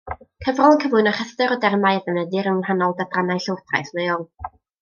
Cyfrol yn cyflwyno rhestr o dermau a ddefnyddir yng ngwahanol adrannau llywodraeth leol.